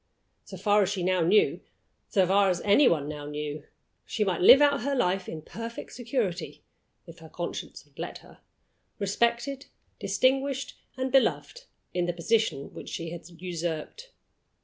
So far as she now knew so far as any one now knew she might live out her life in perfect security (if her conscience would let her), respected, distinguished, and beloved, in the position which she had usurped.